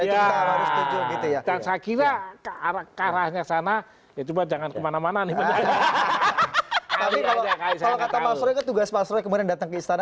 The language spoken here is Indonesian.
itu kita harus setuju gitu ya dan saya kira